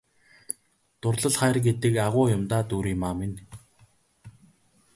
Дурлал хайр гэдэг агуу юм даа Дүүриймаа минь!